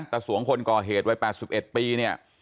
สวงคนก่อเหตุวัย๘๑ปีเนี่ย